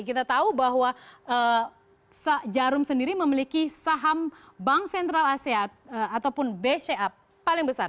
kita tahu bahwa jarum sendiri memiliki saham bank sentral asean ataupun bca paling besar